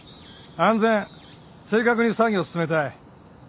安全正確に作業進めたい。